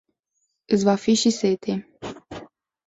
Iti va fi si sete.